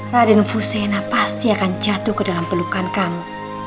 raden fusena pasti akan jatuh ke dalam pelukan kamu